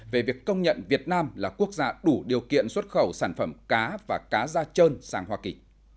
về việc công nhận việt nam là quốc gia đủ điều kiện xuất khẩu sản phẩm cá và cá da trơn sang hoa kỳ